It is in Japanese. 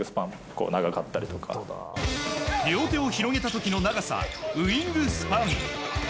両手を広げた時の長さウィングスパン。